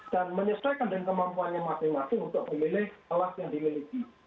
dan menyesuaikan dengan kemampuannya masing masing untuk memilih alas yang dimiliki